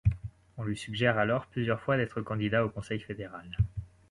On lui suggère alors plusieurs fois d'être candidat au Conseil fédéral.